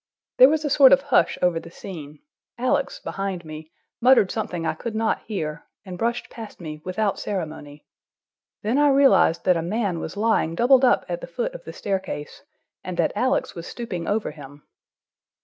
There was a sort of hush over the scene; Alex, behind me, muttered something I could not hear, and brushed past me without ceremony. Then I realized that a man was lying doubled up at the foot of the staircase, and that Alex was stooping over him.